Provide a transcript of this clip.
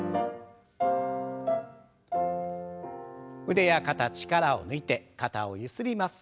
腕や肩力を抜いて肩をゆすります。